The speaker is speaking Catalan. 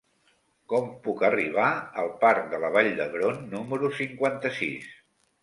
Com puc arribar al parc de la Vall d'Hebron número cinquanta-sis?